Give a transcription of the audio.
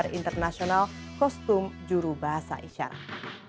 standar internasional kostum jurubahasa isyarat